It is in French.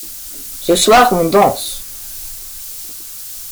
Ce soir on danse.